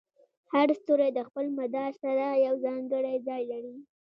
هر ستوری د خپل مدار سره یو ځانګړی ځای لري.